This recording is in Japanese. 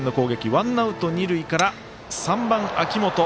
ワンアウト、二塁から３番秋元。